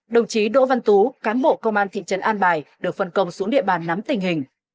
đồng chí đỗ văn tú cán bộ công an thị trấn an bài được phân công xuống địa bàn nắm tình hình